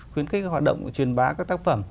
khuyến khích các hoạt động truyền bá các tác phẩm